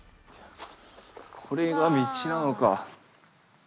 これが道なのか。